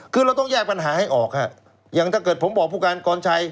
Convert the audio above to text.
คือเราต้องแก้ปัญหาให้ออกฮะอย่างถ้าเกิดผมบอกผู้การกรชัย